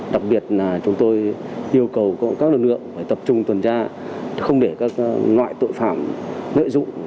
đặc biệt là chúng tôi yêu cầu các lực lượng phải tập trung tuần tra không để các loại tội phạm lợi dụng